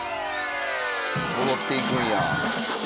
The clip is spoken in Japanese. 戻っていくんや。